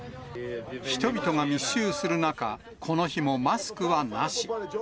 人々が密集する中、この日もマスクはなし。